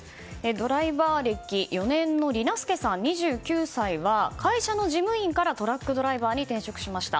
ドライバー歴４年のりなすけさん、２９歳は会社の事務員からトラックドライバーに転職しました。